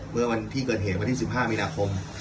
เมื่อวันที่เกิดเหตุวันที่๑๕มีนาคม